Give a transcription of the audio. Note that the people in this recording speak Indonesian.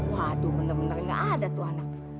waduh bener bener gak ada tuh anak